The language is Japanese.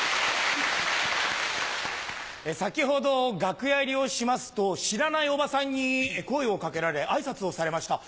先ほど楽屋入りをしますと知らないおばさんに声を掛けられ挨拶をされました。